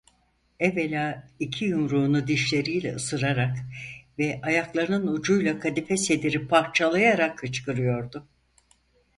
Evvela iki yumruğunu dişleriyle ısırarak ve ayaklarının ucuyla kadife sediri parçalayarak hıçkırıyordu.